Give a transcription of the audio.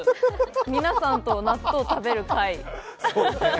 皆さんと納豆食べる回。